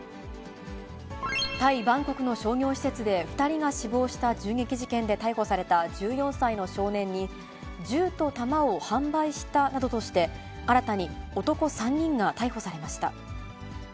タイ・バンコクの商業施設で２人が死亡した銃撃事件で逮捕された１４歳の少年に、銃と弾を販売したなどとして、新たに男３人が逮捕されました。